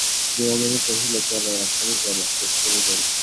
বিনোদিনী কহিল, চলো, এখনই চলো–পশ্চিমে যাই।